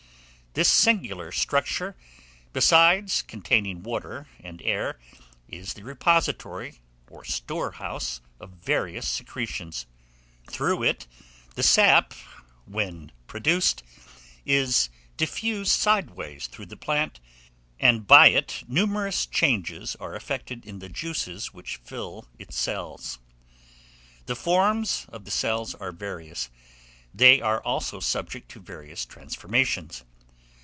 This singular structure, besides containing water and air, is the repository or storehouse of various secretions. Through it, the sap, when produced, is diffused sideways through the plant, and by it numerous changes are effected in the juices which fill its cells. The forms of the cells are various; they are also subject to various transformations.